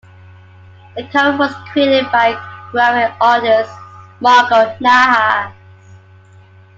The cover was created by graphic artist Margo Nahas.